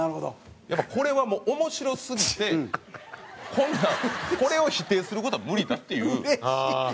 やっぱこれは面白すぎてこんなんこれを否定する事は無理だっていう。